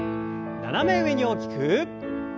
斜め上に大きく。